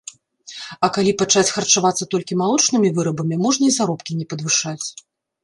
А калі пачаць харчавацца толькі малочнымі вырабамі, можна і заробкі не падвышаць.